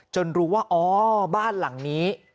รู้ว่าอ๋อบ้านหลังนี้